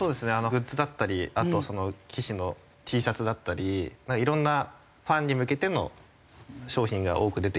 グッズだったりあと棋士のＴシャツだったり色んなファンに向けての商品が多く出てきたので。